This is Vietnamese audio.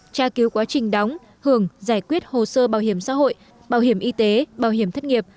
tra cứu quá trình đóng hưởng giải quyết hồ sơ bảo hiểm xã hội bảo hiểm y tế bảo hiểm thất nghiệp